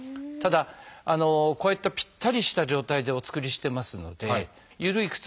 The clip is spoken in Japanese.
ただこういったぴったりした状態でお作りしてますのでゆるい